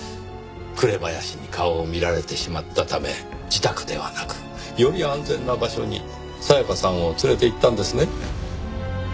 紅林に顔を見られてしまったため自宅ではなくより安全な場所に沙也加さんを連れて行ったんですね。